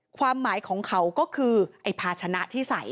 ความหมายของเขาก็คือไอ้ภาชนะที่ใส่